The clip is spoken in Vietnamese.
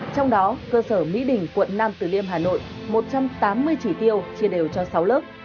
trong đó cơ sở mỹ đình quận nam tử liêm hà nội một trăm tám mươi chỉ tiêu chia đều cho sáu lớp